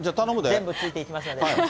全部ついていきますんで。